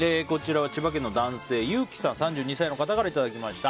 千葉県の男性、３２歳の方からいただきました。